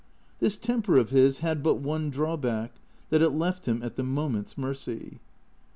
This temper of his had but one drawback, that it left him at the moment's mercy.